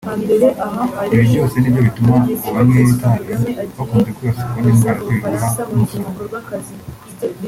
Ibi byose nibyo bituma abanywi b’itabi bakunze kwibasirwa n’indwara z’ibihaha nk’umusonga